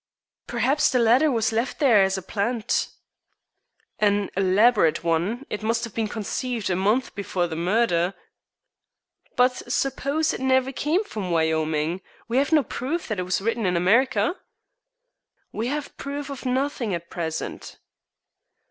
"Perhaps the letter was left there as a plant." "An elaborate one. It must have been conceived a month before the murder." "But suppose it never came from Wyoming. We have no proof that it was written in America." "We have proof of nothing at present."